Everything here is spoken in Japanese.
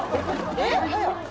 えっ。